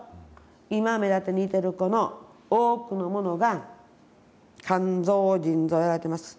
今メダデにいてる子の多くの者が肝臓腎臓をやられてます。